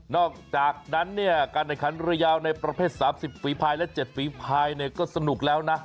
อกจากนั้นเนี่ยการแข่งขันเรือยาวในประเภท๓๐ฝีภายและ๗ฝีภายก็สนุกแล้วนะ